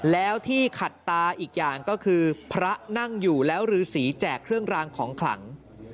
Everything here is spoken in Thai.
แล้วที่ขัดตาอีกอย่างก็คือพระนั่งอยู่แล้วฤษีแจกเครื่องรางของขลัง